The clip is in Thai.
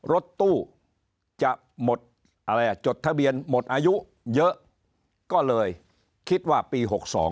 รถตู้จะจดทะเบียนหมดอายุเยอะก็เลยคิดว่าปี๖๒